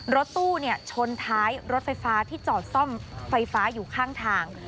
รถตู้ชนท้ายรถไฟฟ้าที่จอดซ่อมไฟฟ้าอยู่ข้างทาง